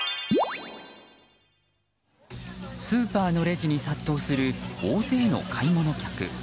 スーパーのレジに殺到する大勢の買い物客。